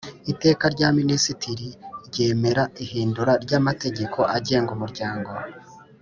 Iteka rya Minisitiri ryemera ihindura ry amategeko agenga Umuryango